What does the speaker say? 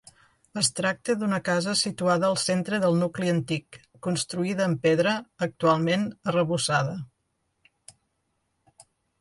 Es tracta d'una casa situada al centre del nucli antic, construïda amb pedra, actualment arrebossada.